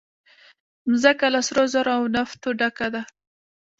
مځکه له سرو زرو او نفته ډکه ده.